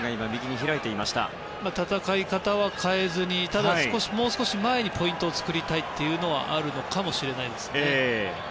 戦い方は変えずにもう少し前にポイントを作りたいというのがあるかもしれません。